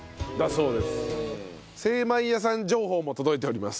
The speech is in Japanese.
精まい家さん情報も届いております。